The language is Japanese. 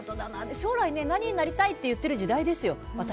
将来何になりたいって言ってる世代ですよ。